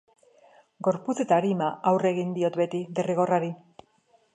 Gorputz eta arima aurre egin diot beti derrigorrari.